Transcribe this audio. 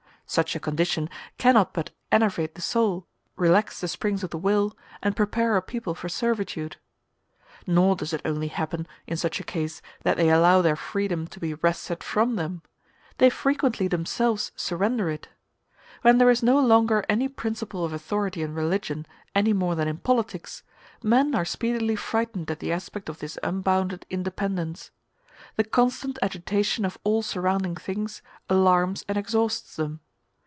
Such a condition cannot but enervate the soul, relax the springs of the will, and prepare a people for servitude. Nor does it only happen, in such a case, that they allow their freedom to be wrested from them; they frequently themselves surrender it. When there is no longer any principle of authority in religion any more than in politics, men are speedily frightened at the aspect of this unbounded independence. The constant agitation of all surrounding things alarms and exhausts them.